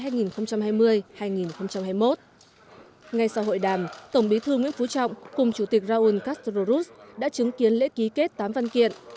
ngay sau hội đàm tổng bí thư nguyễn phú trọng cùng chủ tịch raúl castro ruz đã chứng kiến lễ ký kết tám văn kiện